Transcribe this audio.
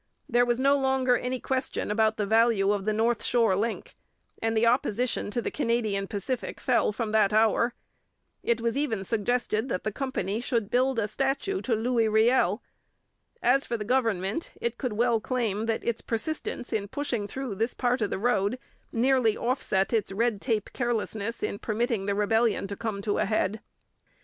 There was no longer any question about the value of the north shore link, and the opposition to the Canadian Pacific fell from that hour. It was even suggested that the company should build a statue to Louis Riel. As for the government, it could well claim that its persistence in pushing through this part of the road nearly offset its red tape carelessness in permitting the rebellion to come to a head.